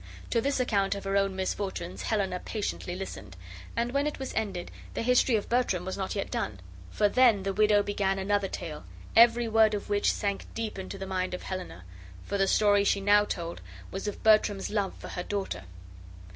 To this account of her own misfortunes Helena patiently listened, and when it was ended the history of Bertram was not yet done, for then the widow began another tale, every word of which sank deep into the mind of Helena; for the story she now told was of Bertram's love for her daughter.